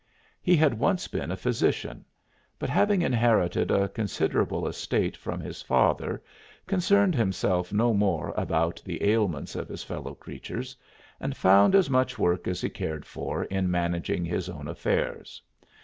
He had once been a physician, but having inherited a considerable estate from his father concerned himself no more about the ailments of his fellow creatures and found as much work as he cared for in managing his own affairs.